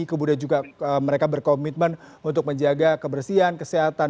kemudian juga mereka berkomitmen untuk menjaga kebersihan kesehatan